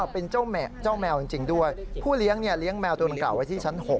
เป็นเจ้าแมวจริงด้วยผู้เลี้ยงเลี้ยงแมวตัวดังกล่าวไว้ที่ชั้น๖